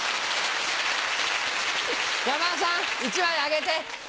山田さん１枚あげて。